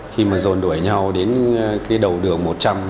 khi mà rồn đuổi nhau đến cái đầu đường một trăm linh